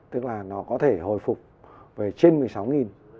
tức là nó có thể hồi phục về trên một mươi sáu